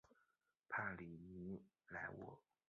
帕里尼莱沃。